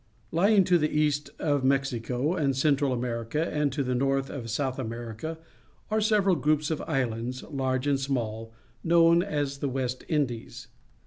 — Lying to the east of Mexico and Central America and to the north of South America are several groups of islands, large and small, known as the West Indies.